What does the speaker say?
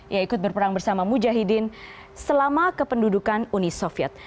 ia ikut berperang bersama mujahidin selama kependudukan uni soviet